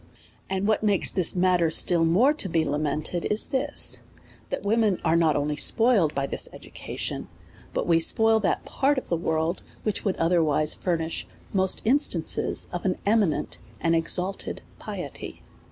And what makes this matter still more to be lament ed, is this, that women are not only spoiled by this education, but we spoil that part of the world which would otherwise furnish most instances of an eminent and exalted piety.